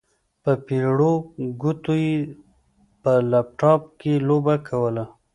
په پېړو ګوتو يې په لپټاپ کې لوبه کوله.